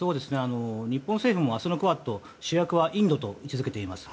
日本政府も明日のクアッドの主役はインドだと位置づけています。